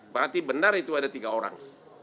jadi benar itu ada tiga orang